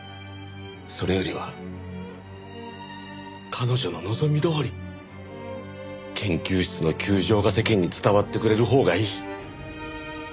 それよりは彼女の望みどおり研究室の窮状が世間に伝わってくれるほうがいい。